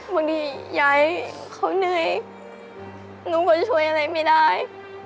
บางทียายเขาเหนื่อยหนูก็จะช่วยอะไรไม่ได้